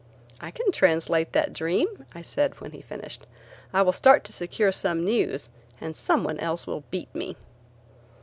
"I can translate that dream," I said, when he finished; "I will start to secure some news and some one else will beat me."